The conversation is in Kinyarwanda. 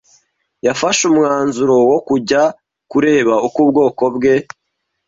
yafashe umwanzuro wo kujya kureba uko ubwoko bwe